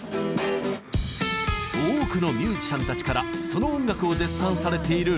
多くのミュージシャンたちからその音楽を絶賛されているＲｅｉ。